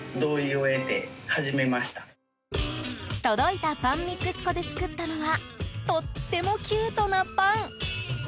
届いたパンミックス粉で作ったのはとってもキュートなパン。